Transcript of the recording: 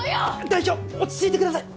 代表落ち着いてください。